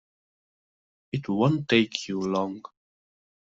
It won't take you long.